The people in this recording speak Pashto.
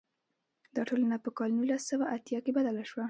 دا ټولنه په کال نولس سوه اتیا کې بدله شوه.